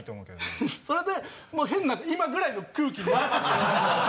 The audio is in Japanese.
それでもう変な今ぐらいの空気になって。